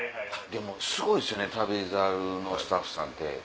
でもすごいですよね『旅猿』のスタッフさんって。